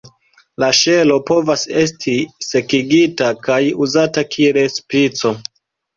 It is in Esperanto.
La ŝelo povas esti sekigita kaj uzata kiel spico.